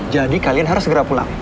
jadi kalian harus segera pulang